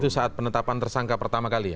saat penetapan tersangka pertama kali ya